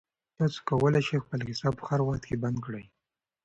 تاسو کولای شئ خپل حساب په هر وخت کې بند کړئ.